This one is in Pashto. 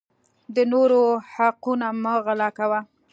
د نورو حقونه مه غلاء کوه